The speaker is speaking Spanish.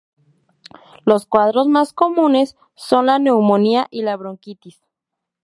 Los cuadros más comunes son la neumonía y la bronquitis.